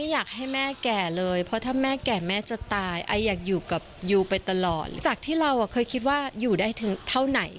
อยู่กับยูไปตลอดจากที่เราเคยคิดว่าอยู่ได้ถึงเท่าไหน